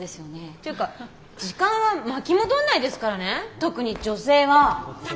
っていうか時間は巻き戻んないですからね特に女性は。